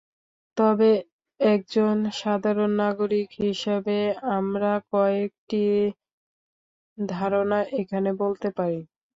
তবে একজন সাধারণ নাগরিক হিসেবে আমরা কয়েকটি ধারণা এখানে বলতে পারি।